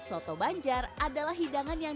soto banjar adalah hidangan yang